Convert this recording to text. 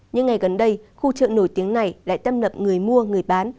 nhưng ngày gần đây khu chợ nổi tiếng này lại tâm lập người mua người bán